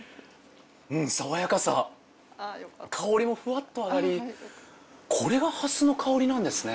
爽やかさ香りもフワッと上がりこれが蓮の香りなんですね。